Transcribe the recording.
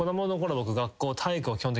僕。